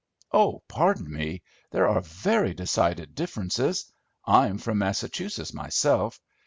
"Oh, pardon me, there are very decided differences. I'm from Massachusetts myself.